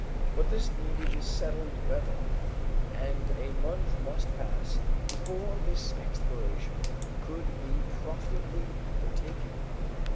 But this needed settled weather, and a month must pass before this exploration could be profitably undertaken.